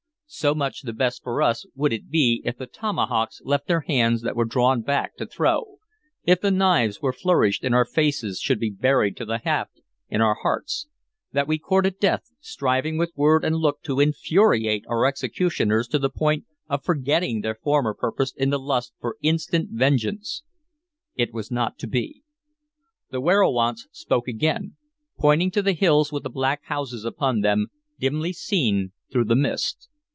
So much the best for us would it be if the tomahawks left the hands that were drawn back to throw, if the knives that were flourished in our faces should be buried to the haft in our hearts, that we courted death, striving with word and look to infuriate our executioners to the point of forgetting their former purpose in the lust for instant vengeance. It was not to be. The werowance spoke again, pointing to the hills with the black houses upon them, dimly seen through the mist.